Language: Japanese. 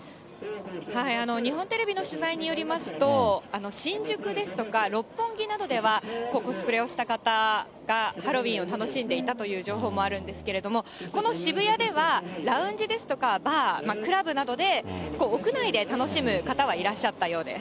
日本テレビの取材によりますと、新宿ですとか六本木などでは、コスプレをした方がハロウィーンを楽しんでいたという情報もあるんですけれども、この渋谷では、ラウンジですとか、バー、クラブなどで、屋内で楽しむ方はいらっしゃったようです。